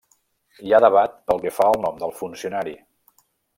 Hi ha debat pel que fa al nom del funcionari.